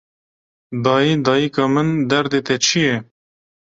Dayê, dayika min, derdê te çi ye